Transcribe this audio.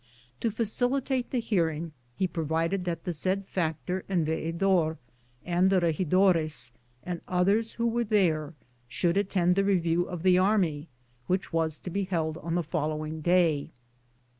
To facilitate the hearing he provided that the said factor and veedor and the regidores, and others who were there, should attend the review of the army, which was to be held on the follow ing day.